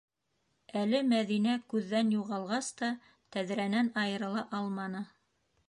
Әле Мәҙинә күҙҙән юғалғас та тәҙрәнән айырыла алманы.